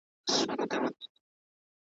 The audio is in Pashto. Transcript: الوتني یې کولې و هر لورته .